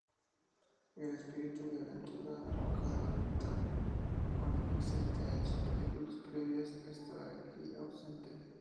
El espíritu de aventura alocada, tan omnipresente en sus películas previas, está aquí ausente.